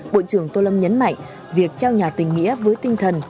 bộ trưởng tô lâm nhấn mạnh việc trao nhà tình nghĩa với tinh thần